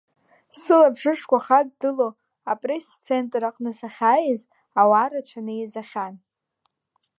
Сылабжышқәа хаддыло апрессцентр аҟны сахьааиз, ауаа рацәаны еизахьан.